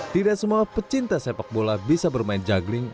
tidak semua pecinta sepak bola bisa bermain juggling